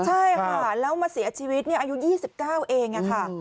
ใช่ค่ะแล้วมาเสียชีวิตอายุ๒๙เองค่ะ